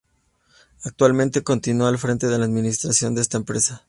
Actualmente continúa al frente de la administración de esta empresa.